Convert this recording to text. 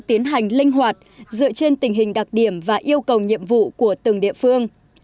tiến hành linh hoạt dựa trên tình hình đặc điểm và yêu cầu nhiệm vụ của từng địa phương